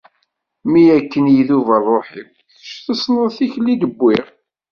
Mi akken i idub ṛṛuḥ-iw, kečč tessneḍ tikli i d-wwiɣ.